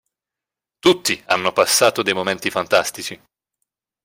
Tutti hanno passato dei momenti fantastici".